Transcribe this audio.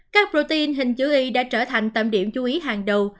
các protein hình chữ y đã trở thành tầm điểm chú ý hàng đầu